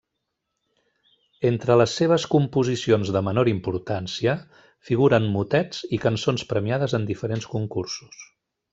Entre les seves composicions de menor importància figuren motets i cançons premiades en diferents concursos.